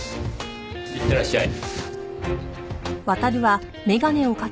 いってらっしゃい。